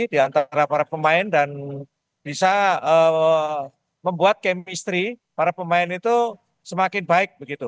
di antara para pemain dan bisa membuat chemistry para pemain itu semakin baik begitu